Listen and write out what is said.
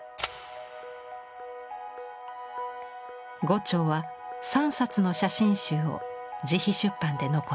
牛腸は３冊の写真集を自費出版で残した。